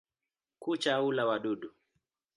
Kucha hula wadudu.